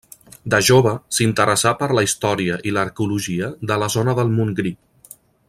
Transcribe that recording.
De jove s'interessà per la història i l'arqueologia de la zona del Montgrí.